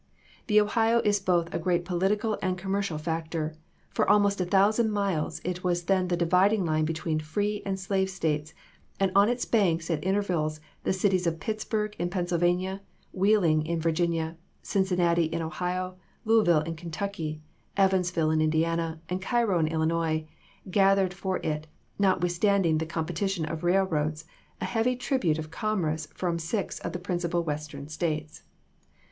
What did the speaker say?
The Ohio is both a great political and commercial 1861. factor; for almost a thousand miles it was then the dividing line between free and slave States and on its banks at intervals the cities of Pitts burgh in Pennsylvania, Wheeling in Virginia, Cin cinnati in Ohio, Louisville in Kentucky, Evans ville in Indiana, and Cairo in Illinois, gathered for it, notwithstanding the competition of railroads, a heavy tribute of commerce from six of the principal Western States.